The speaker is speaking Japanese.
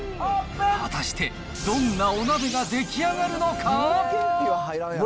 果たして、どんなお鍋が出来上がるのか。